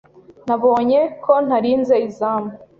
Nabonye ko ntarinze izamu.